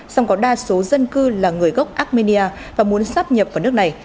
song có đa số dân cư là người gốc armenia và muốn sắp nhập vào nước này